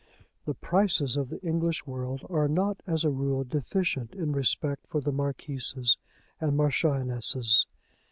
The Prices of the English world are not, as a rule, deficient in respect for the marquises and marchionesses.